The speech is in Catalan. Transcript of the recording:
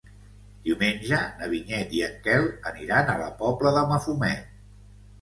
Diumenge na Vinyet i en Quel aniran a la Pobla de Mafumet.